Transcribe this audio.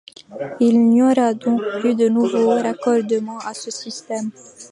Il n'y aura donc plus de nouveau raccordement à ce système.